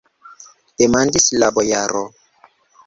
demandis la bojaro.